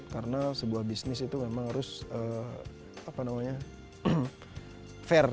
karena sebuah bisnis itu memang harus fair